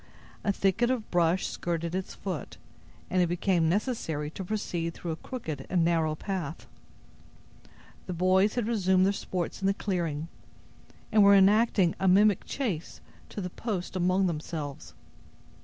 A thicket of brush skirted its foot, and it became necessary to proceed through a crooked and narrow path. The boys had resumed their sports in the clearing, and were enacting a mimic chase to the post among themselves.